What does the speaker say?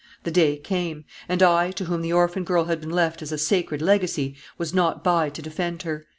The day came; and I, to whom the orphan girl had been left as a sacred legacy, was not by to defend her.